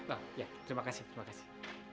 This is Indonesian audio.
oh ya terima kasih terima kasih